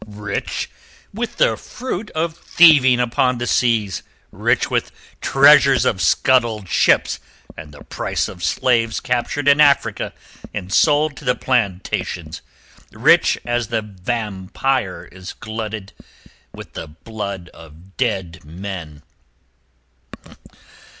"Rich with the fruit of thieving upon the seas, rich with the treasures of scuttled ships and the price of slaves captured in Africa and sold to the plantations, rich as the vampire is glutted—with the blood of dead men."